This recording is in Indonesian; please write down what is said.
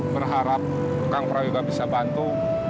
berharap kang prayuga bisa bantu